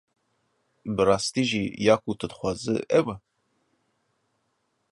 Bi rastî jî ya ku tu dixwazî ew e?